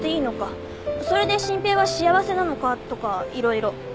それで真平は幸せなのかとか色々。